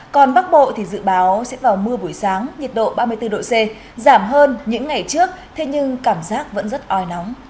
còn bắc bộ thì dự báo sẽ vào mưa buổi sáng nhiệt độ ba mươi bốn độ c giảm hơn những ngày trước thế nhưng cảm giác vẫn rất oi nóng